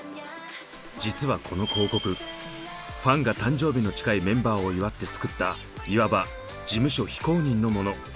実はこの広告ファンが誕生日の近いメンバーを祝って作ったいわば事務所非公認のもの。